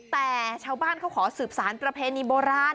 แต่ชาวบ้านเขาขอสืบสารประเพณีโบราณ